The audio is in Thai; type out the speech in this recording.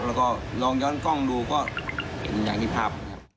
แล้วก็ลองย้อนกล้องดูก็เห็นอย่างที่ภาพครับ